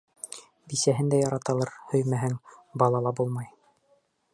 Бисәһен дә яраталыр, һөймәһәң, бала ла булмай.